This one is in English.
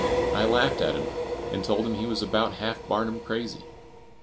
I laughed at him, and told him he was about half Barnum crazy.